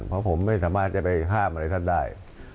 เพราะผมไม่สามารถจะไปห้ามอะไรท่านได้